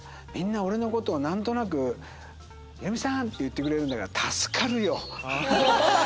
みんな俺のことを何となく「ヒロミさん」って言ってくれるんだから助かるよ。